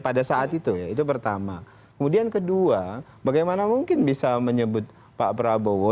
pada saat itu ya itu pertama kemudian kedua bagaimana mungkin bisa menyebut pak prabowo